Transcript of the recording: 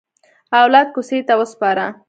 اولاد کوڅې ته وسپاره.